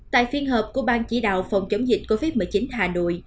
tại phiên họp của ban chỉ đạo phòng chống dịch covid một mươi chín hà nội